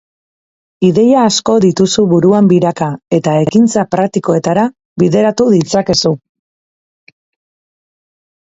Ideia asko dituzu buruan biraka, eta ekintza praktikoetara bideratu ditzakezu.